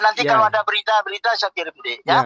nanti kalau ada berita berita saya kirim deh